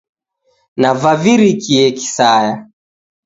Navavirikie kisaya!